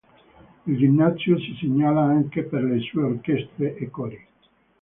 Il ginnasio si segnala anche per le sue orchestre e cori.